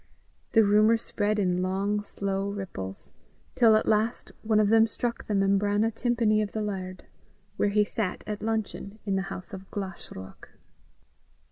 The rumour spread in long slow ripples, till at last one of them struck the membrana tympani of the laird, where he sat at luncheon in the House of Glashruach.